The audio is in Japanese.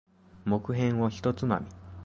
木片を一つまみ。